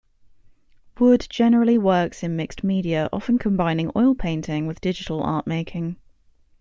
Wood generally works in mixed media, often combining oil painting with digital artmaking.